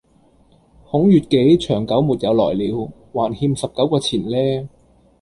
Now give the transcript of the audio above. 孔乙己長久沒有來了。還欠十九個錢呢